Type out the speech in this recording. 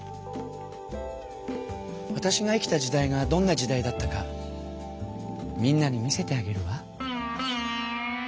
わたしが生きた時代がどんな時代だったかみんなに見せてあげるわ。